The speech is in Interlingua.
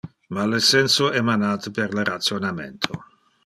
Ma le senso emanate per le rationamento.